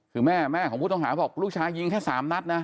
คือแม่แม่ของผู้ต้องหาบอกลูกชายยิงแค่๓นัดนะ